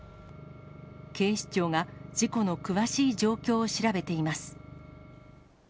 警視庁が事故の詳しい状況を調べています。